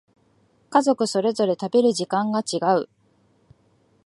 家族それぞれ食べる時間が違う